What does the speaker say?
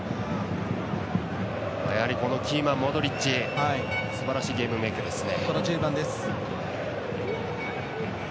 やはりキーマンモドリッチすばらしいゲームメークですね。